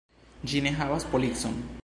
Ĝi ne havas policon.